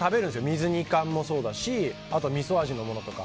水煮缶もそうだしあと、みそ味のものとか。